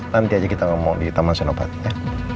nanti aja kita ngomong di taman senopat ya